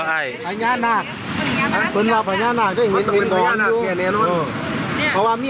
ฟัญญาณากเปล่าฟัญญาณากเปล่า